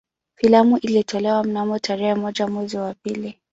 Filamu ilitolewa mnamo tarehe moja mwezi wa pili